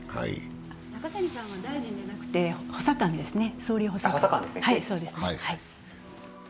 中谷さんは大臣ではなくて総理補佐官ですね。